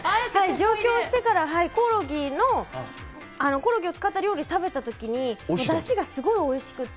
上京してから、コオロギの、コオロギを使った料理を食べたときに、だしがすごいおいしくて。